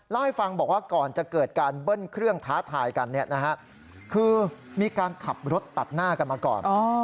เล่าให้ฟังบอกว่าก่อนจะเกิดการเบิ้ลเครื่องท้าทายกันคือมีการขับรถตัดหน้ากันมาก่อน